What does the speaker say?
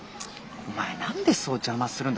お前何でそう邪魔するんだ。